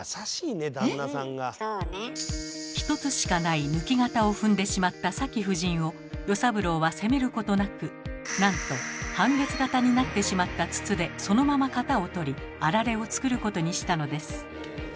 １つしかない抜き型を踏んでしまったさき夫人を與三郎は責めることなくなんと半月形になってしまった筒でそのまま型をとりあられを作ることにしたのです。